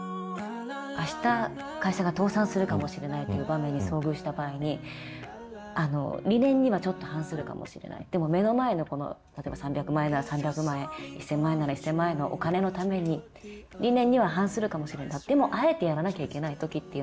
明日会社が倒産するかもしれないという場面に遭遇した場合に理念にはちょっと反するかもしれないでも目の前の例えば３００万円なら３００万円１，０００万円なら１，０００万円のお金のために理念には反するかもしれないでもあえてやらなきゃいけない時っていうのは。